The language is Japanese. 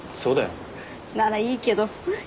ならいいけど。